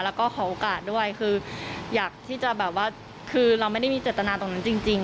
แล้วก็ขอโอกาสด้วยคืออยากที่จะแบบว่าคือเราไม่ได้มีเจตนาตรงนั้นจริง